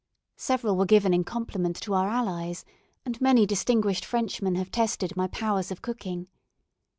Several were given in compliment to our allies, and many distinguished Frenchmen have tested my powers of cooking.